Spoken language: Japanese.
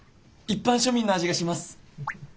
一般庶民の味がします！